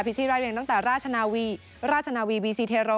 ชิราเรียงตั้งแต่ราชนาวีราชนาวีวีซีเทโร